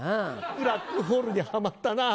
ブラックホールにはまったな。